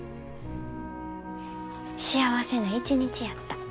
幸せな一日やった。